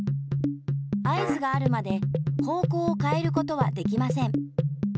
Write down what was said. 合図があるまで方こうをかえることはできません。